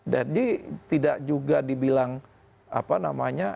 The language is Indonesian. jadi tidak juga dibilang apa namanya